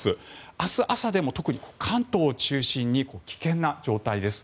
明日朝でも特に関東を中心に危険な状態です。